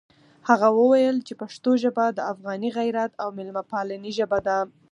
هغه وویل چې پښتو ژبه د افغاني غیرت او مېلمه پالنې ژبه ده.